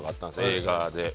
映画で。